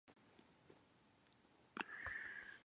I love listening to music while I work.